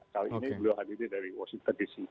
kali ini beliau hadiri dari washington dc